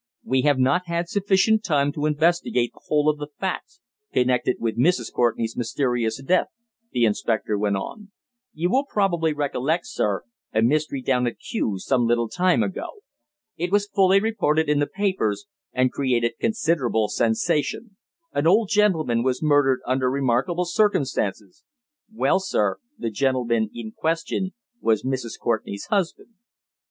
"We have not had sufficient time to investigate the whole of the facts connected with Mrs. Courtenay's mysterious death," the inspector went on. "You will probably recollect, sir, a mystery down at Kew some little time ago. It was fully reported in the papers, and created considerable sensation an old gentleman was murdered under remarkable circumstances. Well, sir, the gentleman in question was Mrs. Courtenay's husband."